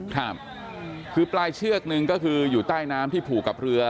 ครับคือปลายเชือกหนึ่งก็คืออยู่ใต้น้ำที่ผูกกับเรือ